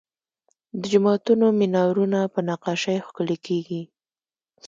د جوماتونو مینارونه په نقاشۍ ښکلي کیږي.